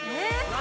何？